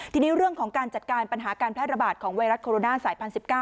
ทีนี้เรื่องของการจัดการปัญหาการแพร่ระบาดของไวรัสโคโรนาสายพัน๑๙